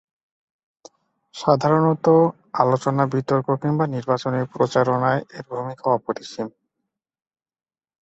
সাধারণতঃ আলোচনা, বিতর্ক কিংবা নির্বাচনী প্রচারণায় এর ভূমিকা অপরিসীম।